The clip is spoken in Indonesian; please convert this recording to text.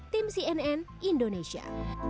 tim cnn indonesia